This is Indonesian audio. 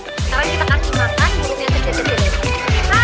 sekarang kita kasi makan bulunya kecil aja dulu